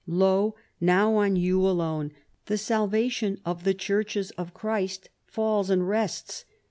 Lo ! now on you alone the salva 254 CHARLEMAGNE. tion of the churches of Christ falls and rests.